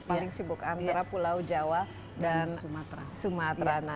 paling sibuk antara pulau jawa dan sumatera